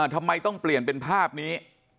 ทำไมต้องเปลี่ยนเป็นภาพนี้